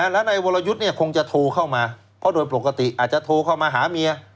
แล้วนายวรยุทธ์คงจะโทรเข้ามาเพราะโดยปกติอาจจะโทรเข้ามาหาเมีย